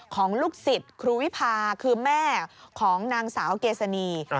ของลูกศิษย์ครูวิพาคือแม่ของนางสาวเกษณี